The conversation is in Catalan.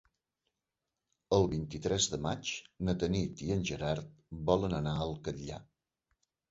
El vint-i-tres de maig na Tanit i en Gerard volen anar al Catllar.